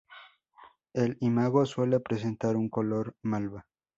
El imago Suele presentar un color malva.